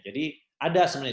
jadi ada semuanya